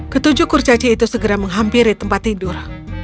ketujuh kurcaci itu segera menghampiri tempat tidur